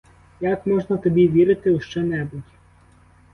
Як можна тобі вірити у що-небудь?